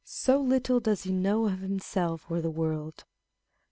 349 So little does lie know of himself or the world